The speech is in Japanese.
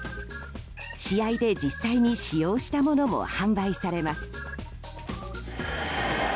試合で実際に使用したものも販売されます。